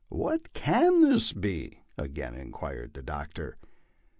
" What can this be?" again inquired the doctor.